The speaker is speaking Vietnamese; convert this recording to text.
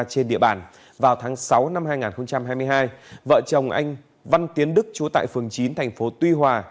trên địa bàn vào tháng sáu năm hai nghìn hai mươi hai vợ chồng anh văn tiến đức chú tại phường chín thành phố tuy hòa